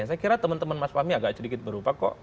saya kira teman teman mas fahmi agak sedikit berubah kok